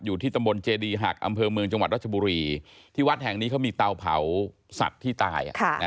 อยู่ที่ตำบลเจดีหักอำเภอเมืองจังหวัดรัชบุรีที่วัดแห่งนี้เขามีเตาเผาสัตว์ที่ตาย